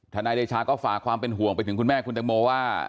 นายเดชาก็ฝากความเป็นห่วงไปถึงคุณแม่คุณตังโมว่า